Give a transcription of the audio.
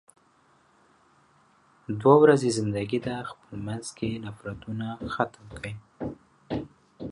دوه ورځې زندګی ده، خپل مينځ کې نفرتونه ختم کې.